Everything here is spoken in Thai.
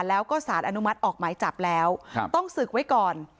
แล้วก็สารอนุมัติออกหมายจับแล้วต้องศึกไว้ก่อน